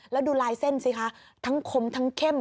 แล้วดูลายเส้นสิคะทั้งคมทั้งเข้ม